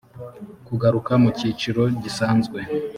kugaruka mu cyiciro gisanzwe